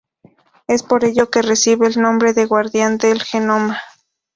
Es por ello que recibe el nombre de "guardián del genoma".